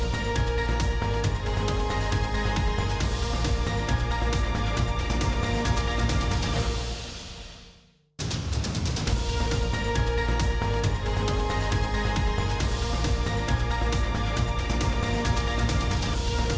โปรดติดตามตอนต่อไป